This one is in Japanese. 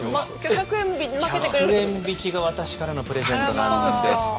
１００円引きが私からのプレゼントなんですけれども。